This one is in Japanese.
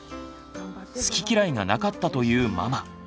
好き嫌いがなかったというママ。